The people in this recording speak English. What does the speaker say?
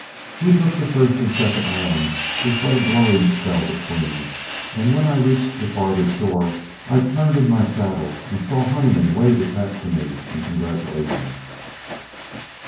We took the first and second islands with but a blowing spell between, and when I reached the farther shore, I turned in my saddle and saw Honeyman wave his hat to me in congratulation.